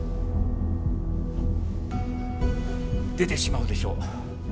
出てしまうでしょう。